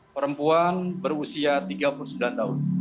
perempuan berusia tiga puluh sembilan tahun